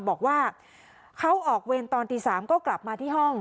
บอกว่าเขาออกเวรตอนตี๓ก็กลับมาที่ห้อง